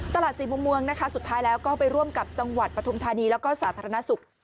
สี่มุมเมืองนะคะสุดท้ายแล้วก็ไปร่วมกับจังหวัดปฐุมธานีแล้วก็สาธารณสุข